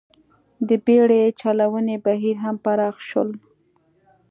د بېړۍ چلونې بهیر هم پراخ شول